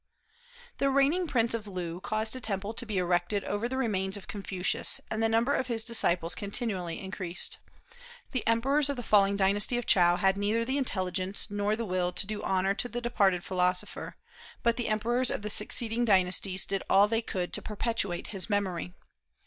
The reigning prince of Loo caused a temple to be erected over the remains of Confucius, and the number of his disciples continually increased. The emperors of the falling dynasty of Chow had neither the intelligence nor the will to do honor to the departed philosopher, but the emperors of the succeeding dynasties did all they could to perpetuate his memory.